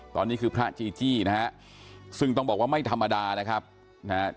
ตอนนี้คือพระจีจี้นะฮะซึ่งต้องบอกว่าไม่ธรรมดานะครับนะฮะ